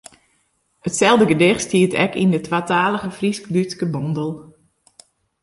Itselde gedicht stiet ek yn de twatalige Frysk-Dútske bondel.